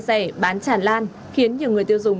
rẻ bán tràn lan khiến nhiều người tiêu dùng